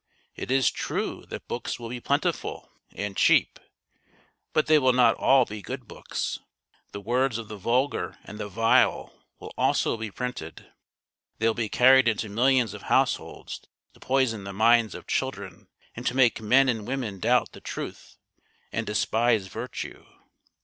It is true that books will be plentiful and cheap, but they will not all be good books. The words of the vulgar and the vile will also be printed. They will be carried into millions of households to poison the minds of children and to make men and women doubt the truth and despise virtue.